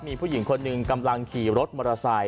มีผู้หญิงคนหนึ่งกำลังขี่รถมอเตอร์ไซค